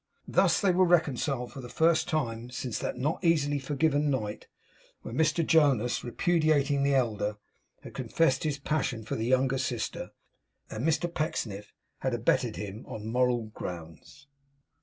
Thus they were reconciled for the first time since that not easily forgiven night, when Mr Jonas, repudiating the elder, had confessed his passion for the younger sister, and Mr Pecksniff had abetted him on moral grounds.